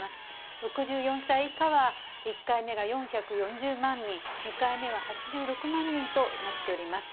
６４歳以下は１回目が４４０万人、２回目は８６万人となっております。